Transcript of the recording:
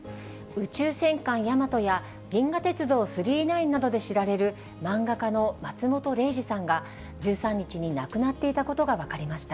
宇宙戦艦ヤマトや、銀河鉄道９９９などで知られる漫画家の松本零士さんが、１３日に亡くなっていたことが分かりました。